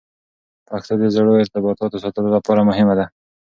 پښتو د زړو ارتباطاتو ساتلو لپاره مهمه ده.